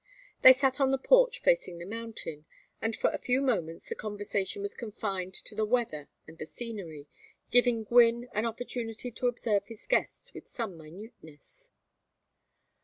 They sat on the porch facing the mountain, and for a few moments the conversation was confined to the weather and the scenery, giving Gwynne an opportunity to observe his guests with some minuteness.